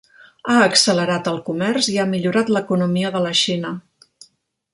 Ha accelerat el comerç i ha millorat l'economia de la Xina.